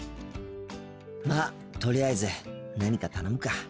まとりあえず何か頼むか。